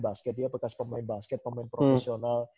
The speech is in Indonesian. basket dia bekas pemain basket pemain profesional